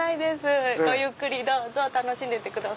ゆっくり楽しんでってください。